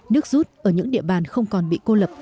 nước rút ở những địa bàn không còn bị cô lập